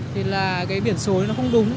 thì là cái biển số nó không đúng